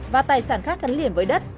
và tài sản khác gắn liền với đất